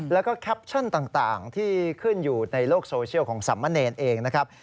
แล้วก็แคปชั่นต่างที่ขึ้นอยู่ในโลกโซเชียลของสามเณรเองนะครับ